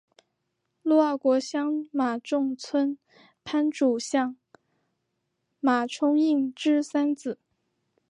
陆奥国相马中村藩主相马充胤之三子。